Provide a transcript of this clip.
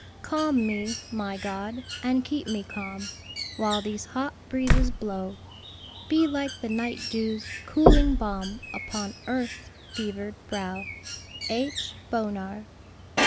"Calm me, my God, and keep me calm While these hot breezes blow; Be like the night dew's cooling balm Upon earth's fevered brow." H. BONAR.